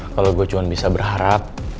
kalo gua cuma bisa berharap